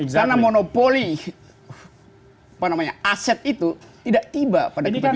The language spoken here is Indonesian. karena monopoli aset itu tidak tiba pada ketidaknyaraan